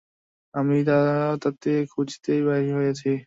আমি তো তাঁতি খুঁজিতেই বাহির হইয়াছি।